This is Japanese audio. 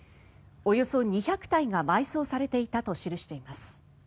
およそ２００体が埋葬されていたと記しています。